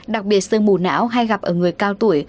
đặc biệt sương mù não hay gặp ở người cao tuổi